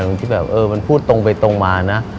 เราอยากที่มันพูดตรงไปตรงมานะ